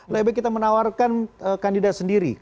lebih baik kita menawarkan kandidat sendiri